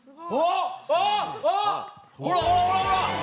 ほらほらほらほら！